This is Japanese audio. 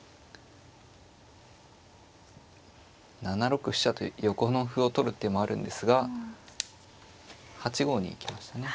７六飛車と横の歩を取る手もあるんですが８五に引きましたね。